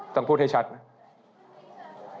ต้องพูดให้ชัดไหม